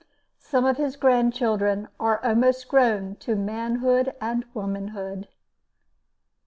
Some of his grandchildren are almost grown to manhood and womanhood.